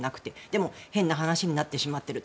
でも変な話になってしまってる。